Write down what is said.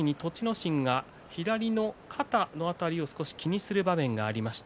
心は左の肩の辺りを少し気にする場面がありました。